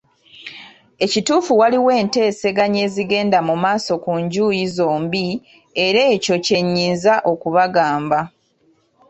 Kituufu waliwo enteeseganya ezigenda mu maaso ku njuyi zombi era ekyo kyennyinza okubagamba.